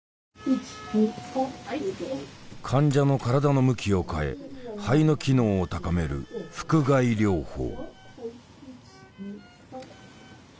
患者の体の向きを変え肺の機能を高める腹臥位療法。